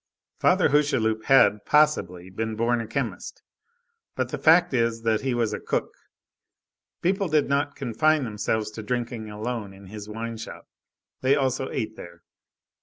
Father Hucheloup had, possibly, been born a chemist, but the fact is that he was a cook; people did not confine themselves to drinking alone in his wine shop, they also ate there.